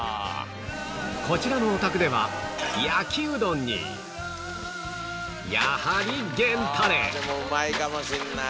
こちらのお宅では焼きうどんにやはり源たれでもうまいかもしれない。